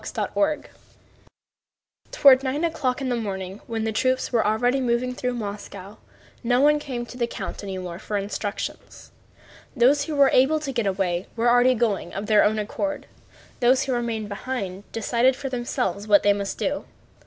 CHAPTER XXV Toward nine o'clock in the morning, when the troops were already moving through Moscow, nobody came to the count any more for instructions. Those who were able to get away were going of their own accord, those who remained behind decided for themselves what they must do.